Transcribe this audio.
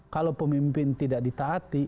kalau pemimpin tidak ditahati